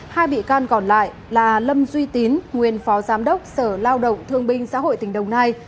hai bị can còn lại là lâm duy tín nguyên phó giám đốc sở lao động thương binh xã hội tỉnh đồng nai